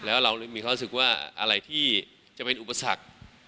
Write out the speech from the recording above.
แล้วเรามีความรู้สึกว่าอะไรที่จะเป็นอุปสรรค